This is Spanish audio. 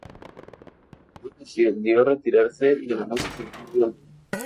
Luego decidió retirarse de la música por un tiempo.